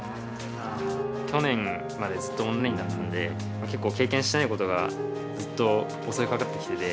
去年までずっとオンラインだったんで結構経験してないことがずっと襲いかかってきてて。